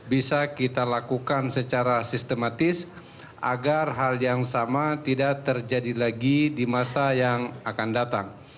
bisa kita lakukan secara sistematis agar hal yang sama tidak terjadi lagi di masa yang akan datang